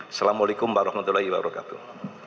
assalamu'alaikum warahmatullahi wabarakatuh